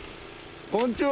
こんにちは。